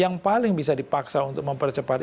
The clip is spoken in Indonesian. yang paling bisa dipaksa untuk mempercepat